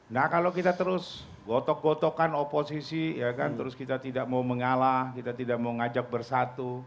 nah kalau kita terus gotok gotokan oposisi ya kan terus kita tidak mau mengalah kita tidak mau ngajak bersatu